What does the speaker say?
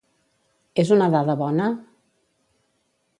És una dada bona?